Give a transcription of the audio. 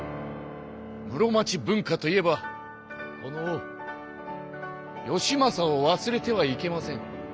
室町文化といえばこの義政をわすれてはいけません。